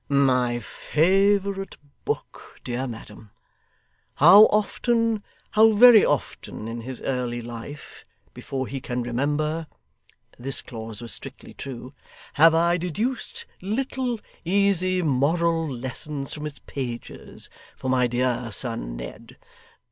'My favourite book, dear madam. How often, how very often in his early life before he can remember' (this clause was strictly true) 'have I deduced little easy moral lessons from its pages, for my dear son Ned!